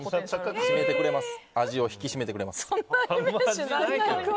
味を引き締めてくれます。